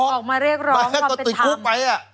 ออกมาเรียกร้องว่าเป็นธรรม